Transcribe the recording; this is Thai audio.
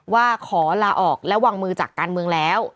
ว่าขอลาออกและวางมือจากการเมืองแล้ว